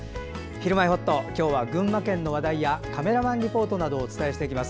「ひるまえほっと」今日は群馬県の話題やカメラマンリポートなどをお伝えしていきます。